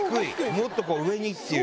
もっと上に！っていう。